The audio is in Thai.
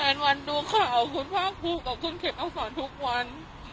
แผนวันดูข่าวคุณพ่อครูกับคุณเขตอาสารทุกวัน